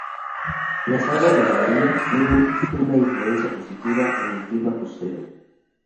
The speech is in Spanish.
Las aguas de la bahía tienen una influencia positiva en el clima costero.